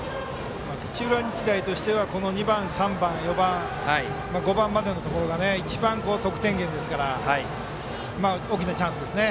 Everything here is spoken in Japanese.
土浦日大としては２番、３番、４番５番までのところが一番、得点源ですから大きなチャンスですね。